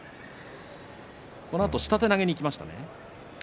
このあと下手投げにいきましたね。